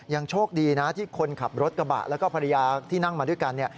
โชคดีนะที่คนขับรถกระบะแล้วก็ภรรยาที่นั่งมาด้วยกัน